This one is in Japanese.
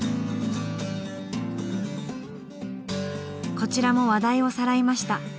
こちらも話題をさらいました。